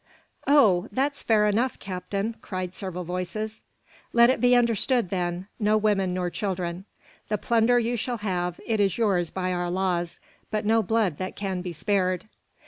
"Oh! that's fair enough, captain," cried several voices. "Let it be understood, then, no women nor children. The plunder you shall have, it is yours by our laws, but no blood that can be spared.